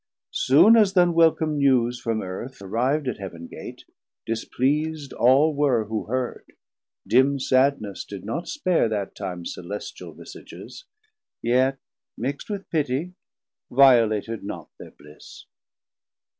Soon as th' unwelcome news From Earth arriv'd at Heaven Gate, displeas'd All were who heard, dim sadness did not spare That time Celestial visages, yet mixt With pitie, violated not thir bliss.